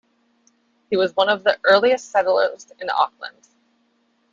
He was one of the earliest settlers in Auckland.